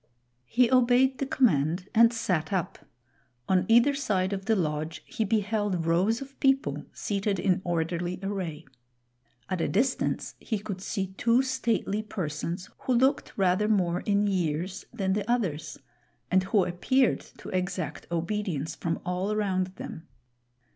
He obeyed the command and sat up. On either side of the lodge he beheld rows of people seated in orderly array. At a distance he could see two stately persons, who looked rather more in years than the others, and who appeared to exact obedience from all around them.